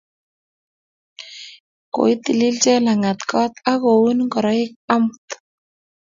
koitilil Jelagat koot ak koun ngoroik omut